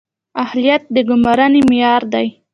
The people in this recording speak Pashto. اهلیت د ګمارنې معیار دی